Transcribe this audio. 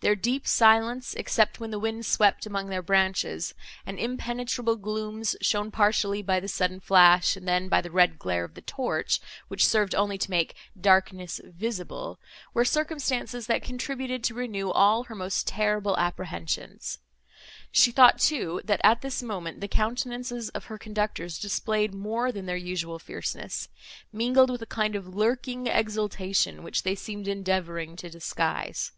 Their deep silence, except when the wind swept among their branches, and impenetrable glooms shown partially by the sudden flash, and then, by the red glare of the torch, which served only to make "darkness visible," were circumstances, that contributed to renew all her most terrible apprehensions; she thought, too, that, at this moment, the countenances of her conductors displayed more than their usual fierceness, mingled with a kind of lurking exultation, which they seemed endeavouring to disguise.